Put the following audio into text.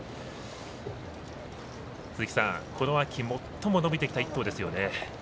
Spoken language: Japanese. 鈴木さん、この秋最も伸びてきた１頭ですよね。